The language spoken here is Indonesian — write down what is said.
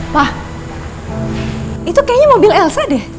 wah itu kayaknya mobil elsa deh